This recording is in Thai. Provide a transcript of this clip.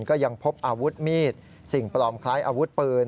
ก็ยังพบอาวุธมีดสิ่งปลอมคล้ายอาวุธปืน